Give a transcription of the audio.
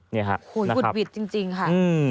เยี่ยมกุดบีดจริงค่ะ